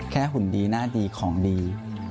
หุ่นดีหน้าดีของดี